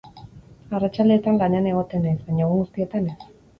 Arratsaldeetan lanean egoten naiz, baina egun guztietan ez.